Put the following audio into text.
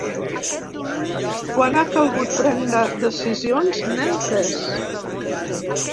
Quan ha calgut prendre decisions, n’hem pres.